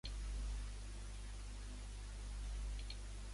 احتجاج کی سیاست نے نظام زندگی کو مفلوج کر دیا ہے۔